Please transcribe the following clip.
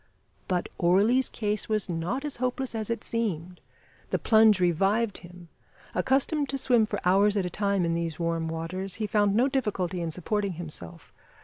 But Orley's case was not as hopeless as it seemed. The plunge revived him. Accustomed to swim for hours at a time in these warm waters, he found no difficulty in supporting himself.